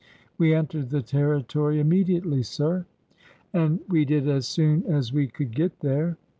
"We entered the territory immediately, sir." " And we did as soon as we could get there."